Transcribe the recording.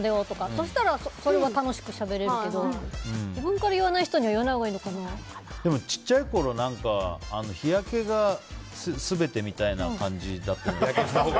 そしたらそれは楽しくしゃべれるけど自分から言わない人にはちっちゃいころ日焼けが全てみたいな感じだったよね。